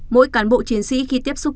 mỗi cán bộ chiến sĩ khi tiếp xúc